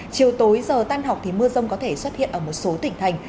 chiều tối giờ tan học thì mưa rông có thể xuất hiện ở một số tỉnh thành